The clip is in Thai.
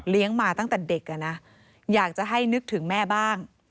มาตั้งแต่เด็กอยากจะให้นึกถึงแม่บ้าง